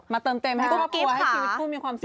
มาเติมเต็มให้กิ๊บค่ะ